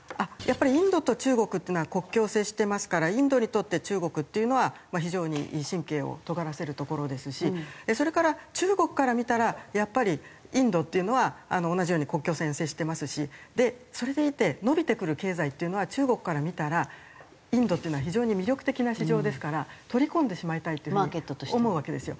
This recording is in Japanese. インドと中国っていうのは国境を接してますからインドにとって中国っていうのは非常に神経を尖らせるところですしそれから中国から見たらやっぱりインドっていうのは同じように国境線接してますしそれでいて伸びてくる経済っていうのは中国から見たらインドっていうのは非常に魅力的な市場ですから取り込んでしまいたいっていう風に思うわけですよ。